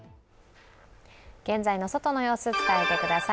現在の外の様子伝えてください。